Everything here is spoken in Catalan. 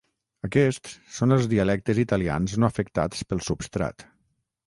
Aquests són els dialectes italians no afectats pel substrat.